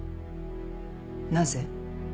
なぜ？